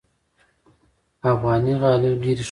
افغاني غالۍ ډېرې ښکلې دي.